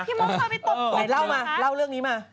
มดเคยไปตบไหนเล่ามาเล่าเรื่องนี้มา